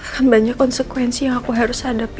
kan banyak konsekuensi yang aku harus hadapi